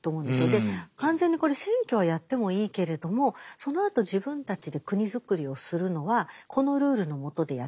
で完全にこれ選挙はやってもいいけれどもそのあと自分たちで国づくりをするのはこのルールのもとでやってね。